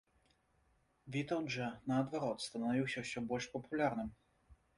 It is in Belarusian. Вітаўт жа, наадварот, станавіўся ўсё больш папулярным.